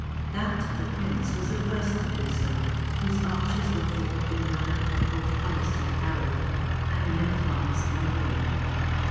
That of the prince was the first to do so, whose archers were formed in the manner of a portcullis or harrow, and the men at arms in the rear.